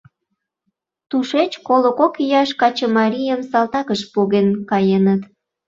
Тушеч коло кок ияш качымарийым салтакыш поген каеныт.